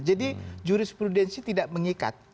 jadi jurisprudensi tidak mengikat